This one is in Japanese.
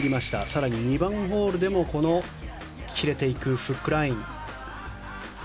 更に２番ホールでも切れていくフックライン。